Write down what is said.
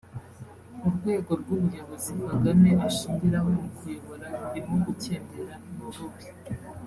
urwego rw’ubuyobozi Kagame ashingiraho mu kuyobora rurimo gukendera ni uruhe